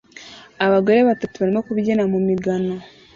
Abagore batatu barimo kubyina mu migano